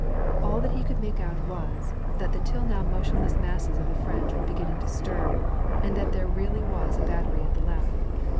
All that he could make out was, that the till now motionless masses of the French were l)eginning to stir, and that ther6 really was a battery at the left.